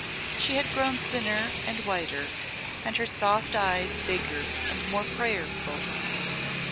She had grown thinner and whiter, and her soft eyes bigger and more prayerful.